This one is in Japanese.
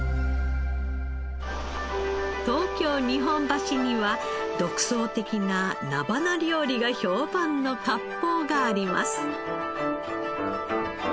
東京日本橋には独創的な菜花料理が評判の割烹があります。